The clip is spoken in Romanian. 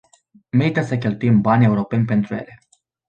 Merită să cheltuim bani europeni pentru ele.